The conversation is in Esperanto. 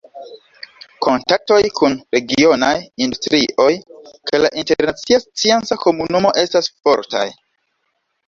Kontaktoj kun regionaj industrioj kaj la internacia scienca komunumo estas fortaj.